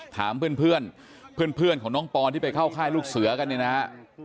ถามเพื่อนเพื่อนของน้องปอนที่ไปเข้าค่ายลูกเสือกันเนี่ยนะฮะ